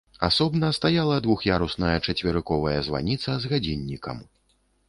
Асобна стаяла двух'ярусная чацверыковая званіца з гадзіннікам.